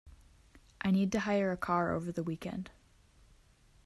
I need to hire a car over the weekend